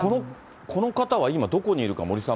この方は今、どこにいるか、森さん、